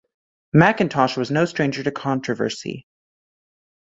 McIntosh was no stranger to controversy.